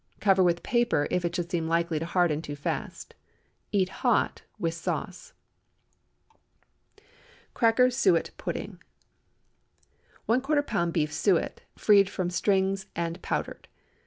Cover with paper if it should seem likely to harden too fast. Eat hot, with sauce. CRACKER SUET PUDDING. ✠ ¼ lb. beef suet, freed from strings, and powdered.